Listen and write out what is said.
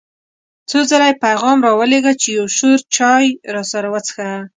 څو ځله یې پیغام را ولېږه چې یو شور چای راسره وڅښه.